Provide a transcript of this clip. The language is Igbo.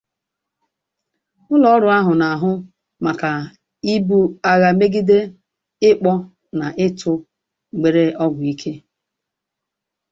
Ụlọọrụ ahụ na-ahụ maka ibu agha megide ịkpọ na ịtụ mgbere ọgwụ ike